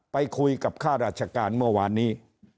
ไปคุยกับข้าราชการเมื่อวานนี้